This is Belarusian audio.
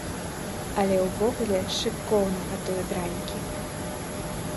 Але ўвогуле шыкоўна гатую дранікі.